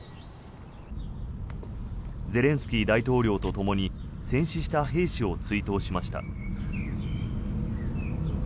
ゼレンスキー大統領とともに戦死した兵士を追悼しました。